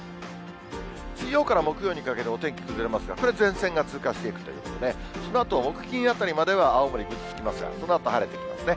水曜から木曜にかけてお天気崩れますが、これ、前線が通過していくということで、そのあと木、金あたりまでは青森、ぐずつきますが、そのあと晴れてきますね。